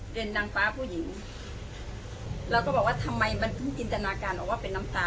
เป็นนางฟ้าผู้หญิงเราก็บอกว่าทำไมมันเพิ่งจินตนาการออกว่าเป็นน้ำตา